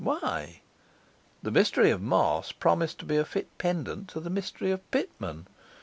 Why? The mystery of Moss promised to be a fit pendant to the mystery of Pitman.